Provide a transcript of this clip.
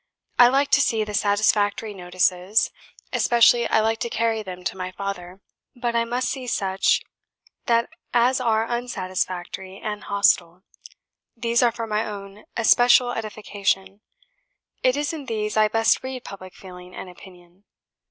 I like to see the satisfactory notices, especially I like to carry them to my father; but I MUST see such as are UNsatisfactory and hostile; these are for my own especial edification; it is in these I best read public feeling and opinion.